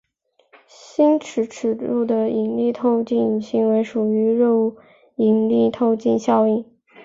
星系尺度的引力透镜行为属于弱引力透镜效应。